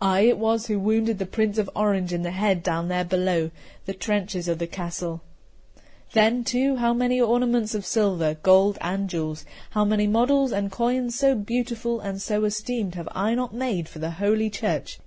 I it was who wounded the Prince of Orange in the head down there below the trenches of the castle. Then, too, how many ornaments of silver, gold, and jewels, how many models and coins, so beautiful and so esteemed, have I not made for Holy Church!